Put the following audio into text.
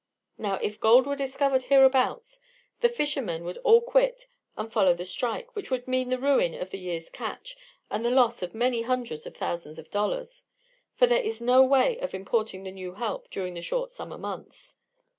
Now, if gold were discovered hereabouts, the fishermen would all quit and follow the 'strike,' which would mean the ruin of the year's catch and the loss of many hundreds of thousands of dollars, for there is no way of importing new help during the short summer months.